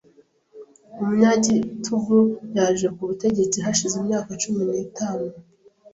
Umunyagitugu yaje ku butegetsi hashize imyaka cumi n'itanu .